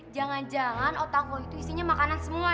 jangan jangan otak lo itu isinya makanan semua ya